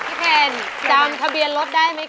พี่เพลจำทะเบียนรถได้ไหมค